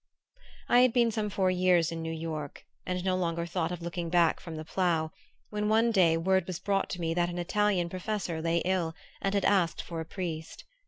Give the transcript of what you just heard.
I had been some four years in New York, and no longer thought of looking back from the plough, when one day word was brought me that an Italian professor lay ill and had asked for a priest.